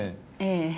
ええ。